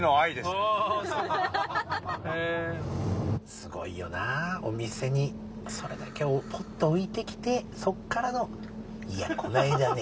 スゴイよなお店にそれだけをポっと置いてきてそこからの「イヤこの間ね？